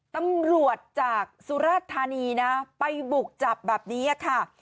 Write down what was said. ตำรวจจากสุราธานีนะไปบุกจับแบบนี้ค่ะ